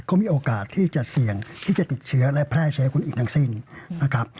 ก็มีโอกาสที่จะเสี่ยงที่จะติดเชื้อและแพร่เชื้อคุณอีกทั้งสิ้นนะครับ